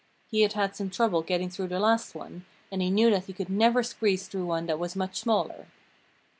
He had had some trouble getting through the last one and he knew that he could never squeeze through one that was much smaller.